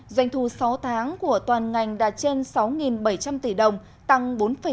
doanh thu sáu tháng của toàn ngành đạt trên sáu bảy trăm linh tỷ đồng tăng bốn năm